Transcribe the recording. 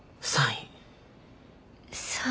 ３位。